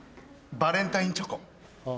バレンタインチョコ。